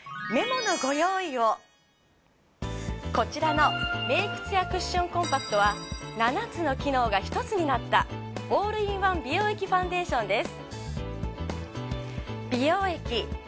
こちらのメイク艶クッションコンパクトは７つの機能が１つになったオールインワン美容液ファンデーションです。